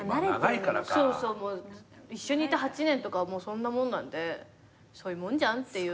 一緒にいて８年とかそんなもんなんでそういうもんじゃんっていう。